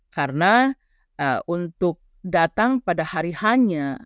karena untuk datang pada hari hanya